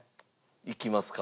いきますか？